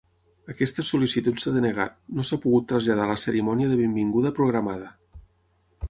Aquesta sol·licitud s'ha denegat: no s'ha pogut traslladar la cerimònia de benvinguda programada.